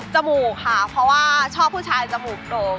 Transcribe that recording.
มูกค่ะเพราะว่าชอบผู้ชายจมูกโด่ง